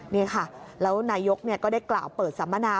นี่ค่ะแล้วนายกก็ได้กล่าวเปิดสัมมนา